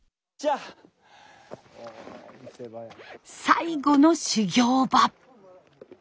最後の修行場。